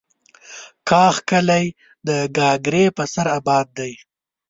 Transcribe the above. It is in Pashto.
کلاخ کلي د گاگرې په سر اباد دی.